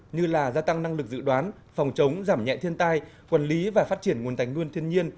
như là gia tăng năng lực dự đoán phòng chống giảm nhẹ thiên tai quản lý và phát triển nguồn tài nguyên thiên nhiên